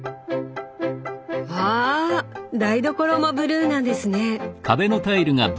わ台所もブルーなんですね！